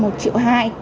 một triệu hai